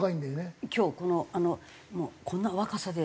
今日このこんな若さで。